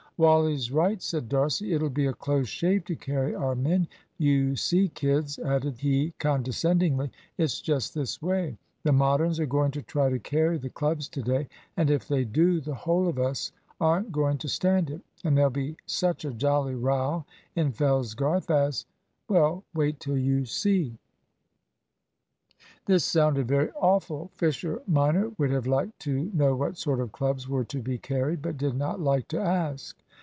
"Wally's right," said D'Arcy. "It'll be a close shave to carry our men. You see, kids," added he condescendingly, "it's just this way. The Moderns are going to try to carry the clubs to day, and if they do, the whole of us aren't going to stand it, and there'll be such a jolly row in Fellsgarth as well, wait till you see." This sounded very awful. Fisher minor would have liked to know what sort of clubs were to be carried, but did not like to ask.